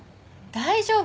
大丈夫よ。